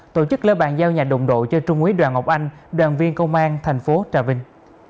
tổ chức lễ bàn giao nhà đồng đội cho trung úy đoàn ngọc anh đoàn viên công an thành phố trà vinh